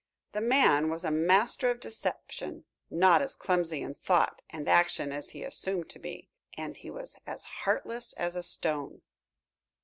The man was a master of deception, not as clumsy in thought and action as he assumed to be. And he was as heartless as a stone.